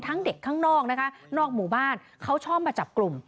เด็กข้างนอกนะคะนอกหมู่บ้านเขาชอบมาจับกลุ่ม